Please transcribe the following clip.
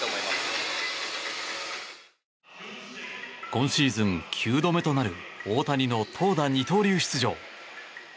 今シーズン９度目となる大谷の投打二刀流出場。